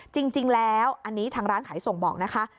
จริงแล้วอันนี้ทางร้านขายส่งบอกนะคะ